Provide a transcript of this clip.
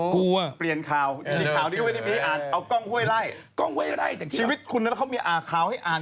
พื้นข้าวลี้เอากลางห้วยไล่ชีวิตคุณนั้นเค้ามีอ่าขาวให้อ่าน